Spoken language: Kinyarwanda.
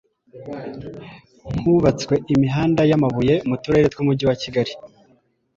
hubatswe imihanda y' amabuye mu turere tw'umujyi wa kigali